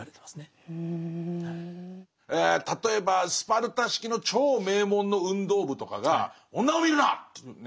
例えばスパルタ式の超名門の運動部とかが「女を見るな！」というね。